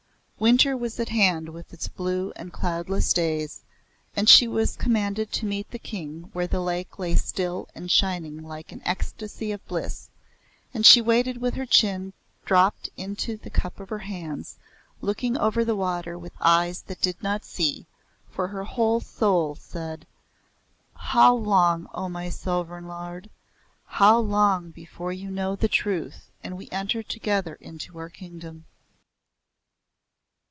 Winter was at hand with its blue and cloudless days, and she was commanded to meet the King where the lake lay still and shining like an ecstasy of bliss, and she waited with her chin dropped into the cup of her hands, looking over the water with eyes that did not see, for her whole soul said; "How long O my Sovereign Lord, how long before you know the truth and we enter together into our Kingdom?"